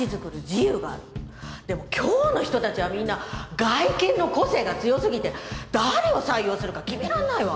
でも今日の人たちはみんな外見の個性が強すぎて誰を採用するか決められないわ。